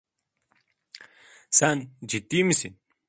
Sen ciddi misin?